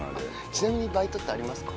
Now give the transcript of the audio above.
ちなみにバイトってありますか？